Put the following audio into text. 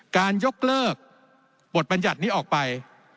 การยกเลิกบทบัญญัตินี้ออกไป